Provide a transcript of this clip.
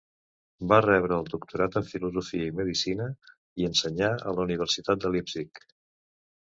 Va rebre el doctorat en filosofia i medecina i ensenyà a la Universitat de Leipzig.